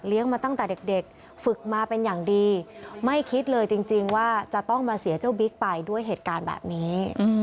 มาตั้งแต่เด็กฝึกมาเป็นอย่างดีไม่คิดเลยจริงว่าจะต้องมาเสียเจ้าบิ๊กไปด้วยเหตุการณ์แบบนี้